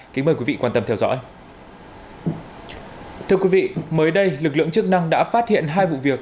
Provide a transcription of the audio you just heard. kính mời quý vị quan tâm theo dõi thưa quý vị mới đây lực lượng chức năng đã phát hiện hai vụ việc